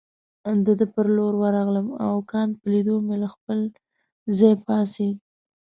د ده پر لور ورغلم او کانت په لیدو مې له خپل ځای پاڅېد.